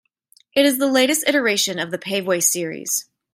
It is the latest iteration of the Paveway series.